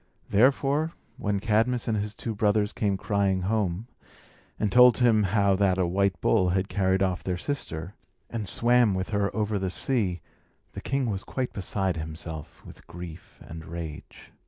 Therefore, when Cadmus and his two brothers came crying home, and told him how that a white bull had carried off their sister, and swam with her over the sea, the king was quite beside himself with grief and rage.